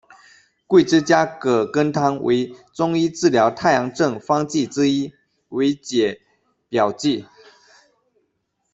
桂枝加葛根汤为中医治疗太阳症方剂之一，为解表剂。